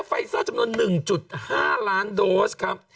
ไฟเซอร์จำนวน๑๕ล้านโดสครับ